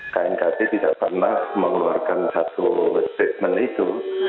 knkt tidak pernah mengeluarkan satu statement itu